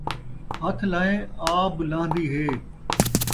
ہتھ لائیں آب لہن٘دی ہے